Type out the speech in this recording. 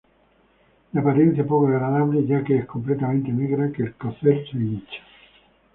De apariencia poco agradable ya que es completamente negra, que al cocer se hincha.